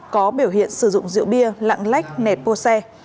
có biểu hiện sử dụng rượu bia lạng lách nẹt bô xe